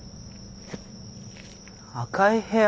赤い部屋？